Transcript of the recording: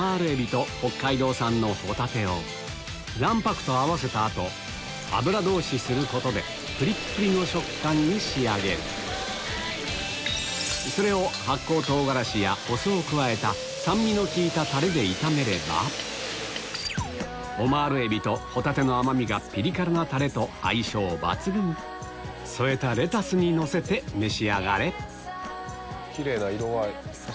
今が旬の卵白と合わせた後油通しすることでプリプリの食感に仕上げるそれを発酵唐辛子やお酢を加えた酸味の利いたタレで炒めればオマール海老とホタテの甘みがピリ辛なタレと相性抜群添えたレタスにのせて召し上がれキレイな色合い。